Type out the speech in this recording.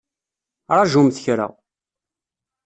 Ṛajumt kra!